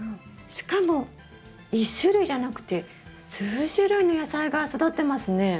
しかも１種類じゃなくて数種類の野菜が育ってますね。